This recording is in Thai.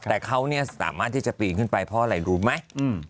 แต่เขาเนี่ยสามารถที่จะปีนขึ้นไปเพราะอะไรรู้ไหม